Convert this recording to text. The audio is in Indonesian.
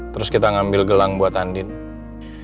terus kita ngambil gelang buat andin